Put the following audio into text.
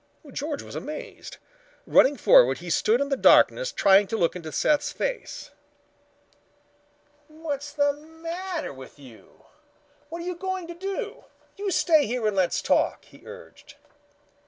George was amazed. Running forward he stood in the darkness trying to look into Seth's face. "What's the matter? What are you going to do? You stay here and let's talk," he urged.